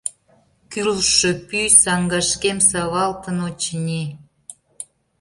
Кӱрлшӧ пӱй саҥгашкем савалтын, очыни...